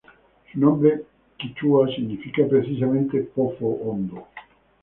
Su nombre quichua significa precisamente "Pozo Hondo".